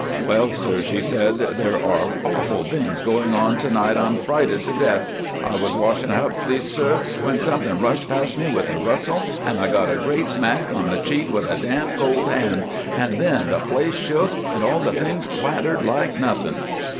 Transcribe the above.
"'Well, sir,' she said, 'there are hawful things going on to night. I'm frighted to death. I was washing hup, please sir, when something rushed passed me with a rustle, and I got a great smack on the cheek with a damp, cold hand, and then the place shook, and all the things clattered like anything.